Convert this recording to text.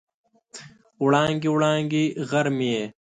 وړانګې، وړانګې غر مې یې